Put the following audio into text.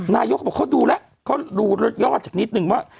นายกเขาบอกเขาดูแล้วเขารู้หรือยอดค่ะนิดนึงว่า